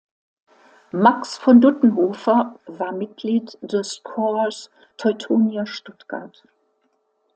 Max von Duttenhofer war Mitglied des Corps Teutonia Stuttgart.